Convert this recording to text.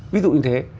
ví dụ như thế